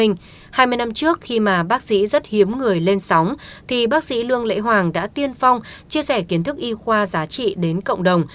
hai mươi năm trước khi mà bác sĩ rất hiếm người lên sóng thì bác sĩ lương lễ hoàng đã tiên phong chia sẻ kiến thức y khoa giá trị đến cộng đồng